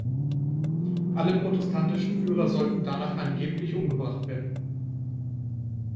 Alle protestantischen Führer sollten danach angeblich umgebracht werden.